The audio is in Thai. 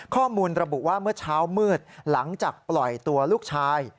ข้อมูลระบุว่าเมื่อเช้ามืดหลังจากปล่อยตัวลูกชาย